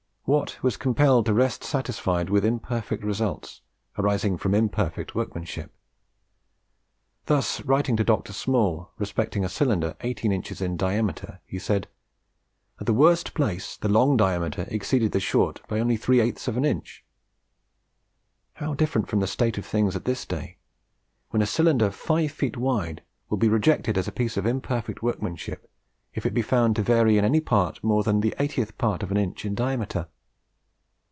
Watt was compelled to rest satisfied with imperfect results, arising from imperfect workmanship. Thus, writing to Dr. Small respecting a cylinder 18 inches in diameter, he said, "at the worst place the long diameter exceeded the short by only three eighths of an inch." How different from the state of things at this day, when a cylinder five feet wide will be rejected as a piece of imperfect workmanship if it be found to vary in any part more than the 80th part of an inch in diameter!